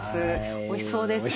おいしそうですね。